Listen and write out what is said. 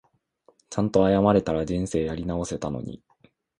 ちゃんと謝れたら人生やり直せたのに